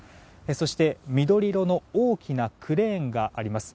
そして、緑色の大きなクレーンがあります。